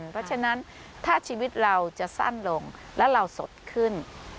เพราะฉะนั้นถ้าชีวิตเราจะสั้นลงและเราสดขึ้น